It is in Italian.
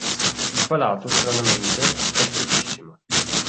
Il palato, stranamente, è strettissimo.